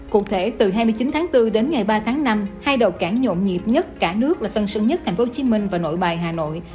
cụ thể từ hai mươi chín tháng bốn đến ngày ba tháng năm hai đầu cảng nhộn nhịp nhất cả nước là tân sơn nhất tp hcm và nội bài hà nội